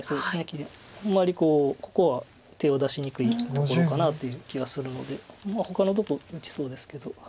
あんまりここは手を出しにくいところかなという気がするのでほかのとこ打ちそうですけど。